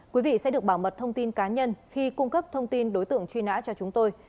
quý vị sẽ được bảo mật thông tin cá nhân khi cung cấp thông tin đối tượng truy nã cho chúng tôi